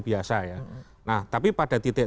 biasa ya nah tapi pada titik